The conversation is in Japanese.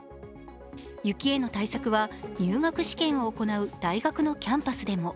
雪への対策は入学試験を行う大学のキャンパスでも。